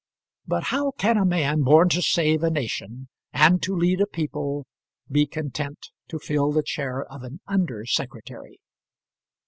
But how can a man born to save a nation, and to lead a people, be content to fill the chair of an under secretary?